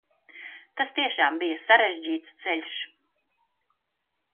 Tas tiešām bija sarežģīts ceļš.